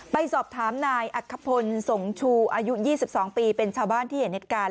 ไปสอบถามนายอักขพลสงชูอายุ๒๒ปีเป็นชาวบ้านที่เห็นเหตุการณ์